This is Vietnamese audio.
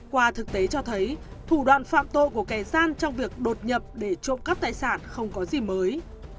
qua thực tế cho thấy thủ đoạn phạm tội của kẻ gian trong việc đột nhập để trộm cắp tài sản không có gì mới